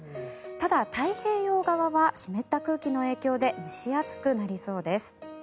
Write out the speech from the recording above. ただ、太平洋側は湿った空気の影響で蒸し暑くなりそうです。